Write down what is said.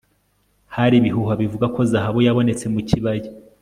Hari ibihuha bivuga ko zahabu yabonetse mu kibaya